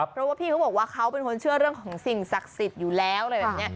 เพราะว่าพี่เขาบอกว่าเขาเป็นคนเชื่อเรื่องของสิ่งศักดิ์สิทธิ์อยู่แล้วอะไรแบบนี้